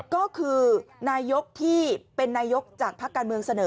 ก็คือนายกที่เป็นนายกจากภาคการเมืองเสนอ